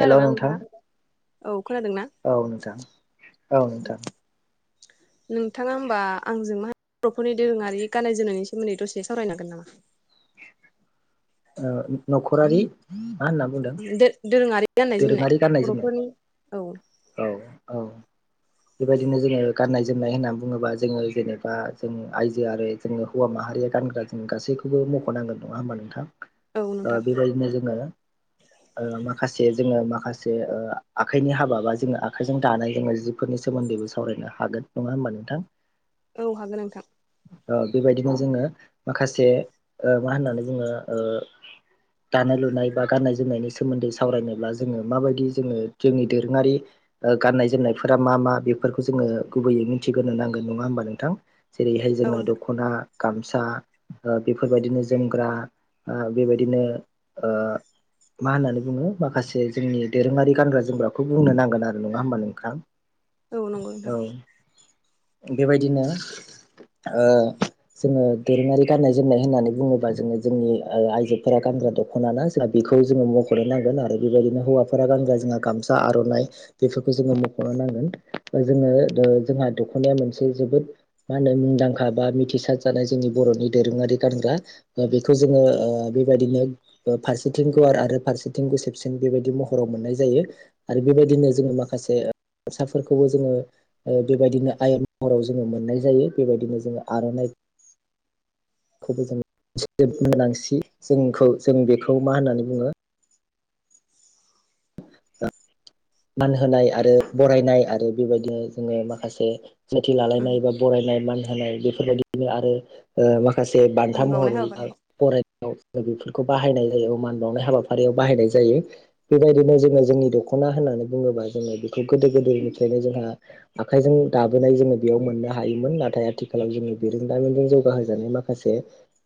हेल' नोंथां नोंथाङा औ खोनादोंना औ नोंथां औ नोंथां [inaudible] नोंथाङा होमबा आंजों मा होनो बर'फोरनि दोरोङारि गाननाय जोमनायनि सोमोन्दै दसे सावरायनांगोन नामा न'खरारि मा होनना बुंदों दोरोङारि गाननाय जोमनाय दोरोङारि गाननाय जोमनाय बर'फोरनि औ औ औ बेबायदिनो जोङो गाननाय जोमनाय होननानै बुङोबा जोङो जेनेबा जों आइजो आरो जोंङो हौवा माहारिया गानग्रा जोमग्रा गासै बेबो मख'नांगोन नङा हा नोंथां औ नोंथां बेबायदिनो जोङो ओ जे जोङो माखासे ओ आखाइनि हाबा बा जोङो आखाइजों दानाय जोङो जिफोरनि सोमोन्दैबो सावरायनो हागोन हागोन नङा होमबा नोंथां औ हागोन नोंथां ओ बेबायदिनो जोङो माखासे मा होननानै बुङो दानाय लुनाय बा गाननाय जोमनायनि सोमोन्दै सावरायनोब्ला जोङो माबायदि जोङो जोंनि दोरोङारि गाननाय जोमनायफोरा मा मा बेफोरखौ जोङो ङो गुबैयै मिथिग्रोनो नांगोन नङा होमबा नोंथां जेरैहाय औ जोङो नोंथां दख'ना गामसा ओ बेफोरबायदिनो जोमग्रा बेबायदिनो ओ मा होननानै बुङो माखासे जोंनि दोरोङारि गानग्रा जोमग्राखौ बुंनो नांगोन आरो नङा होमबा नोंथां औ नंगौ नोंथां औ बेबायदिनो ओ जोङो दोरोङारि गाननाय जोमनाय होननानै बुङोबा जोङो जोंनि आइजोफोरा गान ग्रा दख' ना जों बेखौ जोङो मख'नो नांगोन आरो आरो बेबायदिनो हौवाफोरा गानग्रा जोंहा गामसा आर'नाइ बेफोरखौ जोङो मख'नो नांगोन जोङो ओ जोंहा दख'नाया मोनसे जोबोद मा होनो मुंदांखा बा मिथिसार जानाय जोंनि बर'नि दोरोङारि गानग्रा बेखौ जोङो ओ बेबायदिनो फारसेथिं गुवार आरो फारसेथिं गुसेब सिन बेबायदि महराव मोननाय जायो आरो बेबायदिनो जोङो माखासे गामसाफोरखौबो जोङो बेबायदिनो आयत महराव जोङो मोननाय जायो बेबायदिनो जोङो आर'नाइ [inaudible] खौबो जोङो [unintelligible] जोंखौ जों बेखौ मा होननानै बुङो मान होनाय आरो बरायनाय आरो बेबायदिनो जोङो माखासे सिनायथि लालायनाय एबा बरायनाय मान होनाय बेफोरबायदिनो आरो माखासे खासे बान्था फानबावनाय महरै बा हाबाफारिखौ फरायनायाव ओ बेफोरखौ बाहायनाय जायो मान बावनाय हाबाफारियाव बाहायनाय जायो बेबायदिनो जोङो जोंनि दख'ना होननानै बुङोबा जोङो बेखौ गोदो गोदायनिफ्रायनो जोंहा आखाइजों दाबोनाय जोङो बेयाव मोननो हायोमोन ना नाथाय आथिखालाव जोंनि बिरोंदामिजों जौगाहोजानाय माखासे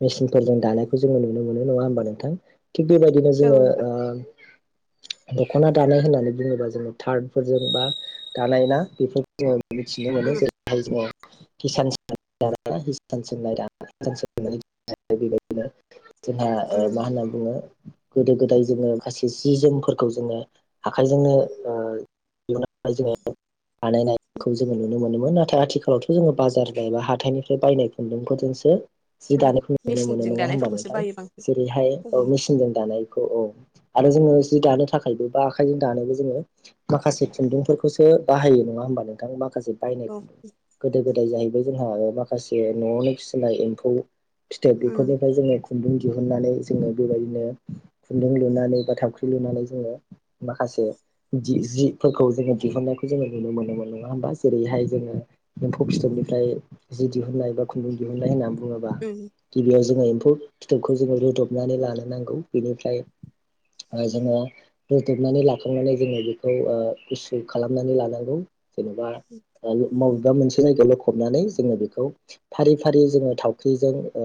मेसिनफोरजों दानायखौ जोङो नुनो मोनो नङा ङा होमबा नोंथां थिग बेबायदिनो औ जोङो नोंथां ओ दख'ना दानाय होननानै बुङोबा जोङो थार्डफोरजों बा दालायना [inaudible] जोङो मिथिनो मोनो जेरैहाय जोङो हिसान सोंनाय [inaudible] बेबायदिनो जोंहा ओ मा होनना बुङो गोदो गोदाय जोङो गासै जि जोमफोरखौ जोङो आखाइजोंनो ओ [inaudible] जोङो बानायनायखौ जोङो नुनो मोनोमोन नाथाय आथिखालाव जोङो बाजार बाइ बा हाथाइनिफ्राय बायनाय खुन्दुंफोरजोंसो जि दानायखौ नुनो मोनो मेचिनजों नङा होमबा दानायफोरखौसो नोंथां? बायो बांसिन जेरैहाय औ मेचिनजों दानायखौ औ आरो जोङो जि दानो थाखायबो बा आखाइजों दानोबो जोङो माखासे खुन्दुंफोरखौसो बाहायो नङा होमबा नोंथां माखासे बायनाय उम खुन्दुं गोदो गोदाय जाहैबाय जोंहा आरो माखासे न'आवनो फिसिनाय एम्फौ फिथोब बेफोरनिफ्राय जोङो खुन्दुं दिहुनन्नानै जोङो बेबायदिनो खुन्दुं लुनानै बा थावख्रि लुनानै जोङो माखासे जि जिफोरखौ जोङो दिहुननायखौ जोङो नुनो मोनोमोन नङा होमबा जेरैहाय जोङो एम्फौ फिथोबनि फ्राय जि दिहुननाय बा खुन्दुं दिहुननाय होननानै बुङोबा उम गिबियाव जोङो फौ फिथोबखौ जोङो रुदबनानै लानो नांगौ । बेनिफ्राय ओ जोङो रुदबनानै लाखांनानै जोङो बेखौ ओ गुसु खालामनानै लानांगौ जेनेबा ओ माव बा मोनसे जायगायाव ल'खबनानै जोङो बेखौ फारि फारि जोङो थावख्रिजों ओ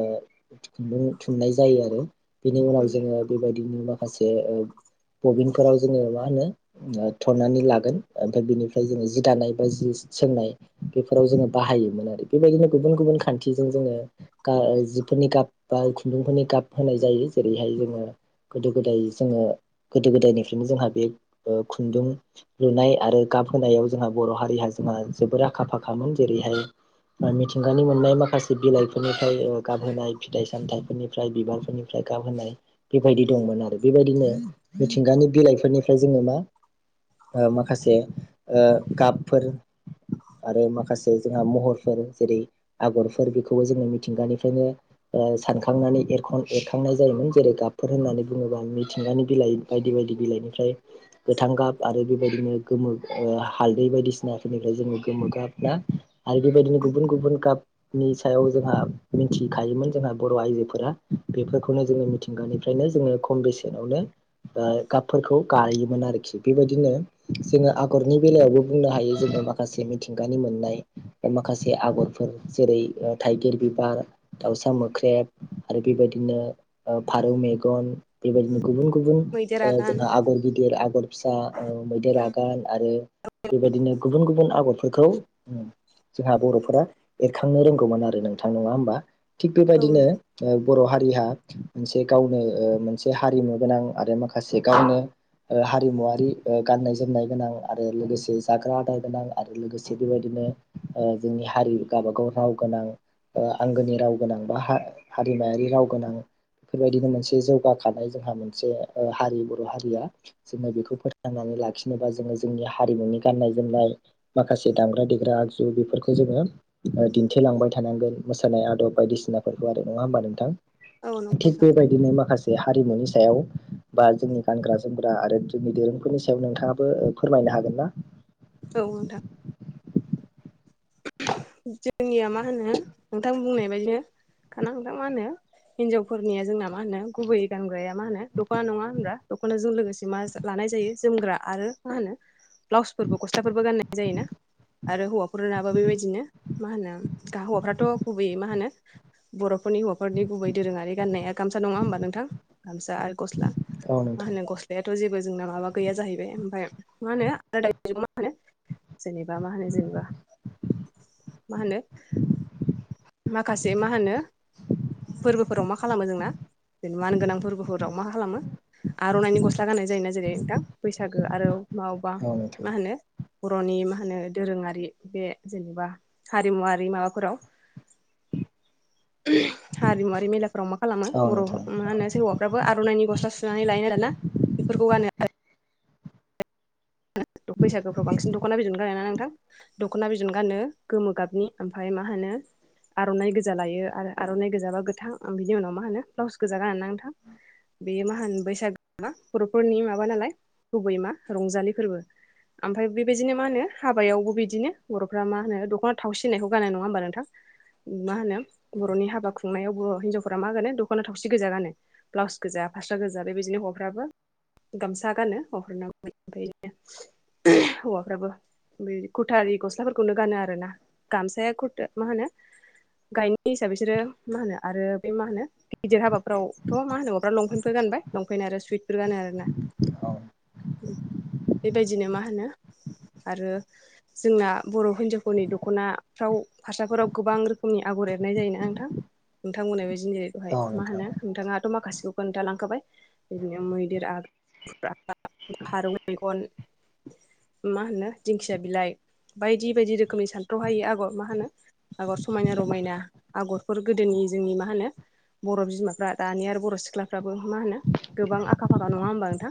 थुन्नो [unintelligible] थुननाय जायो आरो। बिनि उनाव उम जोङो बेबायदिनो माखासे ओ बबिनफोराव जोङो मा होनो ओ थननानै लागोन ओमफाय बिनिफ्राय जोङो जि दानाय बा जि सोंनाय बेफोराव जोङो बा बाहायोमोन आरो बेबायदिनो गुबुन गुबुन खान्थिजों जोङो गा जिफोरनि गाब बा खुन्दुंफोरनि गाब होनाय जायो जेरैहाय जोङो गोदो गोदाय जोङो गोदो गोदायनिफ्रायनो जोंहा बे ओ खुन्दुं लुनाय आरो गाब होनायाव जोंहा बर' हारिया जोंहा जोबोर आखा फाखामोन। जेरै हाय आ मिथिंगानि मोननाय माखासे बिलाइफोरनिफ्राय ओ गाबहोनाय फिथाइ सामथाइफोरनिफ्राय बिबारफोरनिफ्राय गाब होनाय बेबायदि दंमोन आरो । बेबायदिनो मिथिंगानि बिलाइफोरनिफ्राय जोङो मा ओ माखासे ओ गाबफोर आरो माखासे जोंहा महरफोर जेरै आगरफोर बेखौबो जोङो मिथिंगानिफ्रायनो ओ सानखांनानै एरखन एरखांनाय जायोमोन जेरै गाबफोर होननानै बुङोबा मिथिंगानि बिलाइ बायदि बाय दि बिलाइनिफ्राय गोथां गाब आरो बेबायदिनो गोमो ओ हालदै बायदिसिनाफोरनिफ्राय जोङो गोमोगाब। ना? आरो बेबायदिनो गुबुन गुबुन गाब नि सायाव जोंहा मिनथिखायोमोन जोंहा बर' आइजोफोरा बेफोरखौनो जोंङो मिथिंगानिफ्राय नो जोंङो खम बेसेनावनो ओ गाबफोरखौ गायोमोन आरोखि बेबायदिनो जोङो आगरनि बेलायावबो बुंनो हायो जोङो माखासे मिथिंगानि मो ननाय माखासे आगरफोर जेरै ओ थाइगिर बिबार दाउसा मोख्रेब आरो बेबायदिनो ओ फारौ मेगन बेबायदिनो गुबुन गुबुन मैदेर ओ आगान जोंहा आगर गिदिर आगर फिसा औ मैदेर आगान आरो बेबायदिनो गुबुन गुबुन आगरफोरखौ जोंहा बर'फोरा एरखांनो रोंगौमोन आरो नोंथां नङा होमबा? थिग औ बेबायदिनो ओ बर' हारिहा मोनसे गावनो ओ मोनसे हारिमु गोनां आरो माखासे गावनो ओ हारिमुवारि ओ गाननाय जोमनाय गोनां आरो लोगोसे जाग्रा आदार गोनां आरो लोगोसे बेबायदिनो ओ जोंनि हारि गावबागाव राव गोनां आंगोनि राव गोनां बा हारिमायारि राव गोनां बेफोरबायदिनो मोनसे जौगाखानाय जोंहा मोनसे हारि बर' हारिया जोङो बेखौ फोथांनानै लाखिनोबा जोङो जोंनि हारिमुनि गाननाय जोमनाय माखासे दामग्रा देग्रा आगजु बेफोरखौ जोङो दिन्थिलांबाय थानांगोन मोसानाय आदब बायदिसिनाफोरखौ आरो नङा होमबा नोंथां औ नंगौ थिग बेबायदिनो माखासे हारिमुनि सायाव बा जोंनि गानग्रा जोमग्रा आरो जोंनि धोरोमफोरनि सायाव नोंथाङाबो फोरमायनो हागोन ना? औ नोंथां जोंनिया मा होनो नोंथां बुंनाय बायदिनो खाना नोंथां मा होनो हिनजावफोरनिया जोंना मा होनो गुबै गानग्राया मा होनो दख'ना नङा होनाब्ला दख'नाजों लोगोसे मा लानाय जायो जोमग्रा आरो मा होनो ब्लाउसफोरबो गस्लाफोरबो गाननाय जायो ना आरो हौवाफोरनाबो बेबायदिनो मा होनो गा हौवाफ्राथ' गुबैयै मा होनो बर'फोरनि हौवाफोरनि गुबै दोरोङारि गाननाया गामसा नङा होमबा नोंथां गामसा आरो गस्ला औ मा नोंथां होनो गस्लायाथ' जेबो जोंना माबा गैया जाहैबाय ओमफाय मा होनो जेनेबा मा होनो जेनेबा मा होनो जेनेबा मा होनो माखासे मा होनो फोरबोफोराव मा खालामो जोंना जे मानगोनां फोरबोफोराव मा खालामो आर'नाइनि गस्ला गाननाय जायोना जेरै नोंथां बैसागो आरो मावबा औ नोंथां मा होनो बर'नि मा होनो दोरोङारि बे जेनेबा हारिमुवारि माबाफोराव [unintelligible] हारिमुवारि मेलाफ्राव मा खालामो औ बर' नोंथां मा होनो हौवाफ्राबो आर'नाइनि गस्ला सुनानै लायोना दाना बेफोरखौ गानो आरो बैसागुफ्राव बांसिन दखना बिदनखौनो गानो ना नोंथां दख'ना बिदन गानो गोमो गाबनि ओमफ्राय मा होनो आर'नाइ गोजा लायो आरो आर'नाइ गोजाबा गोथां ओ बिनि उनाव मा होनो ब्लाउस गोजा गानोना नोंथां बेयो मा होनो बैसागोआ मा बर'फोरनि माबा नालाय गुबै मा रंजालि फोरबो आमफाय बेबायजिनो मा होनो हाबायावबो बिदिनो बर'फ्रा मा होनो दख'ना थावसि होननायखौ गानो नङा होमबा नोंथां मा होनो बर'नि हाबा खुंनायाव बर' हिनजावफोरा मा गानो दख'ना थावसि गोजा गानो ब्लाउस गोजा फास्रा गोजा बेबायजिनो हौवाफ्राबो गामसा गानो हौवाफोरनाबो ओमफ्राय बिदिनो हौवाफ्राबो बे खुरथा आरि गस्लाफोरखौनो गानो आरो ना गामसाया कुरथा मा होनो गाहायनि हिसाबै बिसोरो मा होनो आरो बे मा होनो गिदिर हाबाफोरावथ' मा होनो हौवाफ्रा लंपेन्टफोर गानो गानबाय लंफेन्ट आरो सुइटफोर गानो आरो ना औ बेबायदिनो मा होनो आरो जोंना बर' हिन्जावफोरनि दख'नाफ्राव फारसाफोराव गोबां रोखोमनि आग- आगर एरनाय जायो ना नोंथां नोंथांमोनहा बे जिनिसखौहाय औ मा नोंथां होनो नोंथाङाथ' माखासेखौ खोन्था लांखाबाय बिदिनो मैदेर आगान फारौ मेगन मा होनो दिंखिया बिलाइ बायदि बायदि रोखोमनि सानथ्रहायै आगर मा होनो आगर समायना रमायना आगरफोर गोदोनि जोंनि मा होनो बर' बिमाफ्रा दानि आरो बर' सिख्लाफ्राबो मा होनो गोबां आखा फाखा नङा होमबा नोंथां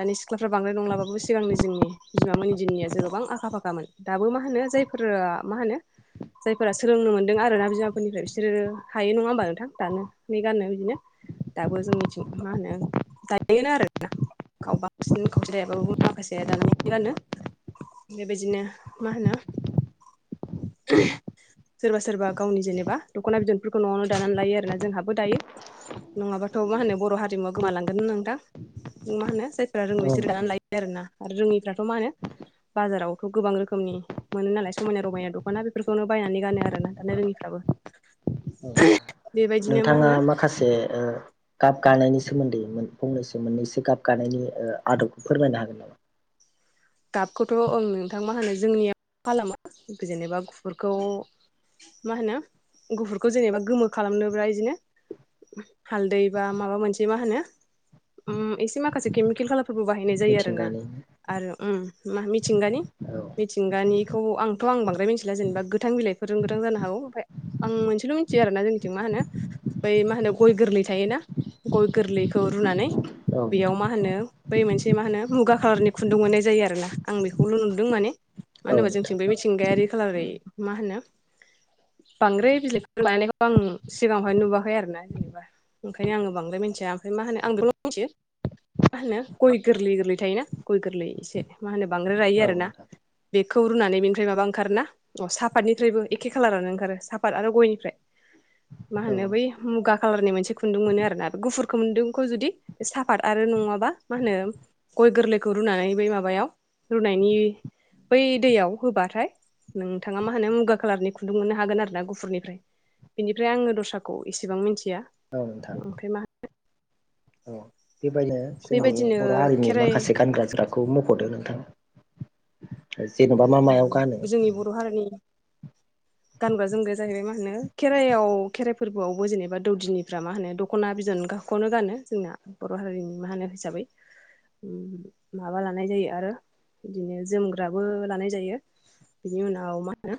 दानि सिख्ला- फ्रा बांद्राय नंलाबाबो सिगांनि जोंनि बिमामोनि दिननियासो गोबां आखा फाखामोन दाबो मा होनो जायफोरा ओ मा होनो जायफोरा सोलोंनो मोनदों आरोना बिमाफोरनिफ्राय बिसोरो हायो नङा होमबा नोंथां दानानै गाननो बिदिनो दाबो जोंनिथिं मा होनो दायोआनो आरोना खावबा- बांसिन खावसे दायाबाबो माखासेया दानानैनो गानो बेबायदिनो मा होनो सोरबा सोरबा गावनि जेनेबा दख'ना बिदनफोरखौ न'आवनो दानानै लायो आरोना जोंहाबो दायो नङाबाथ' मा होनो बर' हारिमुवा गोमालांगोन ना नोंथां मा होनो जाय- फोरा रोङो औ बिसोरो नोंथां दानानै लायो आरोना आरो रोङैफ्राथ' माहोनो बाजारावथ' गोबां रोखोमनि मोनो नालाय समायना रमायना दख'ना बेफोरखौनो बायनानै गानो आरोना दानो रोङिफ्राबो [unintelligible] औ बेबायदिनो मा नोंथाङा होनो माखासे ओ गाब गानायनि सोमोन्दै मोन फंनैसो मोननैसो गाब गानायनि ओ आदबखौ फोरमायनो हागोन नामा? गाबखौथ'ओं नोंथांमोना होनो जोंनियाव मा खालामो जेनेबा गुफुरखौ मा होनो गुफुरखौ जेनेबा गोमो खालामनोब्ला इजिनो हालदै बा माबा मोनसे मा होनो ओम एसे माखासे केमिकेल खालाम फोरबो बाहायनाय जायो आरोना मिथिंगानि आरो ओम मा मिथिंगानि औ मिथिंगानि बेखौ आंथ' आं बांदाराय मिथिला जेननोबा गोथां बिलाइफोरजों गोथां जानो हागौ ओमफ्राय आं मोनसेल' मिथियो आरोना जोंनिथिं मा होनो ओम्फाय मा होनो बै मा होनो गय गोरलै थायोना गय गोरलैखौ रुनानै औ बेयाव नोंथां मा होनो बै मोनसे मा होनो मुगा कालारनि खुन्दुं मोननाय ज जायो आरो ना आं बेखौल' नोदों मानो औ होना जोंं नोंथां मिथिंगायारि खालारै मा होनो बांद्राय बिलाइफोर लायानायखौ आं सिगाङावहाय नुवाखै आरो ना जेनेबा ओंखायनो आङो बांद्राय मि थिया मफ्राय मा होनो आं द मिथियो मा होनो गय गोरलै गोरलै थायोना गय गोरलै एसे मा होनो बांदाराय रायि औ आरो ना नोंथां बेखौ रुनानै बेनिफ्राय माबा ओंखारोना अ साफातनिफ्रायबो एखे खालारानो ओंखारो साफात आरो गयनिफ्राय मा औ होनो बै मुगा कालारनि मोनसे खुुंनदुंमोन आरोना गुफुर खुुनदुंखौ जुदि बे साफात आरो नङाबा मा होनो गय गोरलैखौ रुनानै बै माबायाव रुनायनि बै दैयाव होबाथाय नोंथाङा मा होनो मुगा कलारनि खुन्दुं मोननो हागोन आरो ना गुफुरनिफ्राय बिनिफ्राय आङो दस्राखौ एसेबां मिथि औ नोंथां औ बेबायदिनो जोंनि बेबायदिनो बर' हारिनि खेराइ माखासे गानग्रा जोमग्राखौ मख'दों नोंथां जेन'बा मा मायाव गानो जोंनि बर' हारिनि [inaudible] गानग्रा जोमगाया जाहैबाय मा होनो खेराइायाव खेराइ फोरबोआवबो जेनेबा दौदिनिफ्रा मा होनो दख'ना बिदन खौनो गानो जोंना बर' हारिनि मा होनो हिसाबै ओम माबा लानाय जायो आरो बिदिनो जोमग्राबो लानाय जा यो बिनि उनाव मा होनो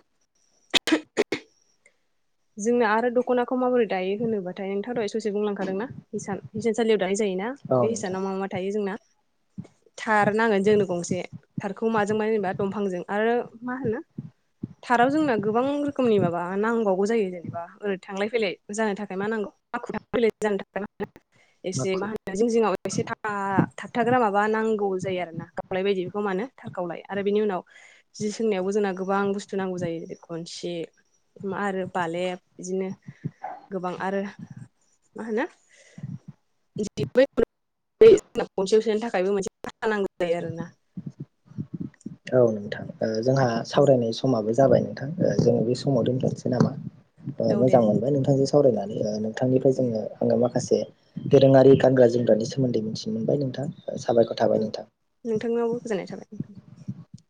जोंना आरो दख'नाखौ माबोरै दायो होनोबाथाय नोंथां' ए स'से बुंलांखादोंनाा हिसान हिसानसालियाव दानाय जायोना औ बे नोंथां हिसानाव माा मा थायो जोंना थार नांगोन जोंनो गंसे थारखौ माजों मानो जेनेबा दंफांजों आरो मा होनो थाराव जोंना गोबां रोखोमनि माबा नांबाव गौ जायो जेनेबा ओरै थांलाय जानो जानो थाखाय मा नांगौ माखु एसे माखु मा होनो जों जिं जिंडाव एसे थाआ थाबथाग्रा माबा नांगौ जायो आरोना गावलाय बायदि बेखौ मानो थारखावलाय आरो बिनि उनाव जि सोंनायावबो जोंना गोबां बुस्थु नांगौ जायो जेरै खनसि आरो बालेब बिदिनो गोबां आरो मा होनो जों खनसेयाव सोननि थाखायबो मोनसेा नांगौ जायो आरोना औ नोंथां जोंहा सावरायनाय समाबो ज जाबाय नोंथां जोङो बे समाव दोनथ'सै नामा औ दे मोजां नोंथां मोनबाय नोंथांजों सावरायनानै नोंथांनिफ्राय जोङो आङो माखासे दोरोङारि गानग्रा जोमग्रानि सोमोन्दै मिथिनो मोनबाय नोंथां साबायखर थाबाय नोंथां नोंथांनावबो गोजोननाय थाबाय नोंथां